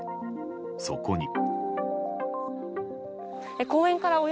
そこに。